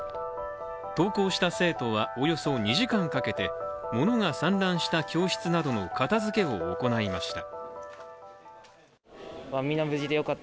登校した生徒はおよそ２時間かけてものが散乱した教室などの片づけを行いました。